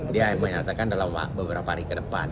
dia menyatakan dalam beberapa hari ke depan